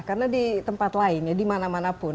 karena di tempat lain di mana mana pun